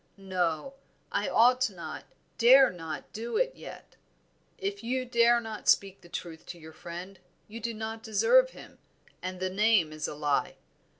No, I ought not, dare not do it yet." "If you dare not speak the truth to your friend, you do not deserve him, and the name is a lie.